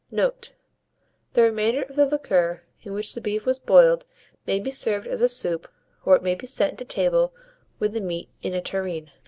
Note. The remainder of the liquor in which the beef was boiled may be served as a soup, or it may be sent to table with the meat in a tureen.